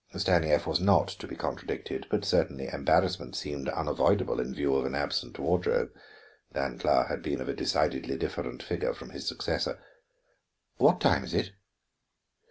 Stanief was not to be contradicted, but certainly embarrassment seemed unavoidable in view of an absent wardrobe. Dancla had been of a decidedly different figure from his successor. "What time is it?"